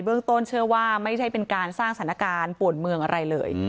เรื่องต้นเชื่อว่าไม่ใช่เป็นการสร้างสถานการณ์ป่วนเมืองอะไรเลย